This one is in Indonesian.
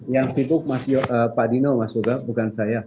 yang sibuk pak dino mas yoga bukan saya